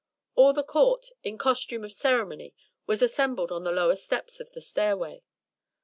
All the Court, in costume of ceremony was assembled on the lower steps of the stairway.